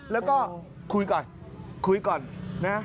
แล้วก็คุยก่อนคุยก่อนนะ